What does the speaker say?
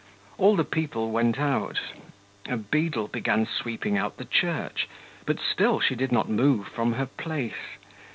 All the people went out, a beadle began sweeping out the church, but still she did not move from her place.